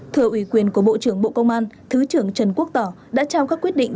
thưa ủy quyền của bộ trưởng bộ công an thứ trưởng trần quốc tỏ đã trao các quyết định